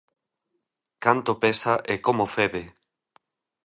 ¡Canto pesa e como fede!